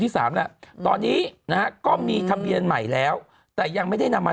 สามแล้วตอนนี้นะฮะก็มีทะเบียนใหม่แล้วแต่ยังไม่ได้นำมา